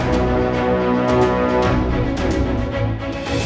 gak ada orang yang artis